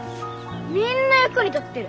みんな役に立ってる！